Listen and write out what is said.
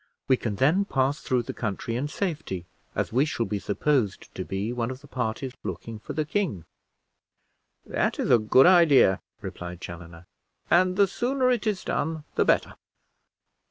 We can then pass through the country in safety, as we shall be supposed to be one of the parties looking for the king." "That is a good idea," replied Chaloner, "and the sooner it is done the better."